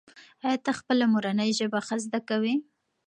ایا ته خپله مورنۍ ژبه ښه زده کوې؟